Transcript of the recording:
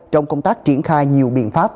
trong công tác triển khai nhiều biện pháp